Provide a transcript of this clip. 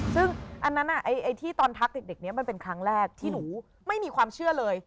ซึ่งอันนั้นไอ้ที่ตอนทักเด็กนี้มันเป็นครั้งแรกที่หนูไม่มีความเชื่อเลย